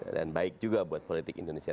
dan baik juga buat politik indonesia